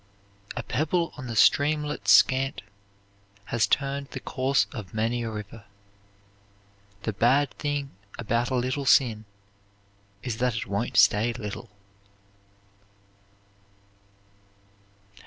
"A pebble on the streamlet scant Has turned the course of many a river." "The bad thing about a little sin is that it won't stay little."